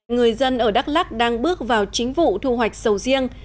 người dân ở đắk lắc đang bước vào chính vụ thu hoạch sầu riêng